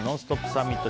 サミット。